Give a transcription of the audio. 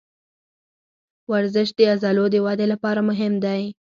ورزش د عضلو د ودې لپاره مهم دی.